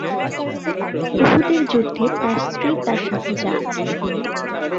উহুদের যুদ্ধে তার স্ত্রী তার সাথে যান।